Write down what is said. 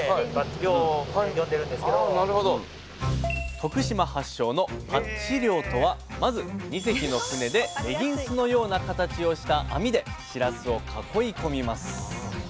徳島発祥のパッチ漁とはまず２隻の船でレギンスのような形をした網でしらすを囲い込みます。